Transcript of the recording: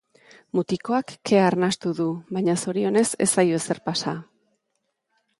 Mutikoak kea arnastu du, baina zorionez ez zaio ezer pasa.